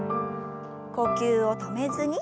呼吸を止めずに。